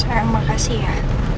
sayang makasih ya